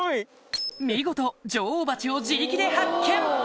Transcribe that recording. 見事女王蜂を自力で発見！